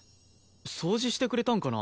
掃除してくれたんかな？